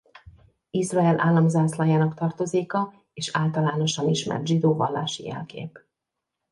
Izrael állam zászlajának tartozéka és általánosan ismert zsidó vallási jelkép.